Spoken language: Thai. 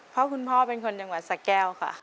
เพราะคุณพ่อเป็นคนจังหวัดสะแก้วค่ะ